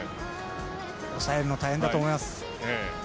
抑えるの大変だと思います。